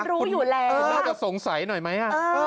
เราจะสงสัยหน่อยไหม